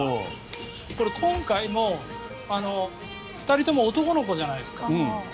これ、今回も２人とも男の子じゃないですか。